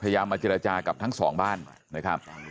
พยายามมาเจรจากับทั้ง๒บ้านนะครับ